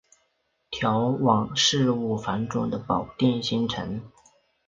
调往事务繁重的保定新城。